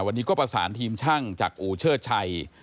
วันนี้ก็ประสานทีมช่างจากอู่เชิดชัย